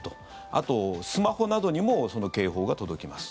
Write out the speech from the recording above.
あと、スマホなどにもその警報が届きます。